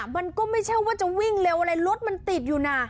มันก็ไม่ใช่ว่าจะวิ่งเร็วอะไรรถมันติดอยู่นะ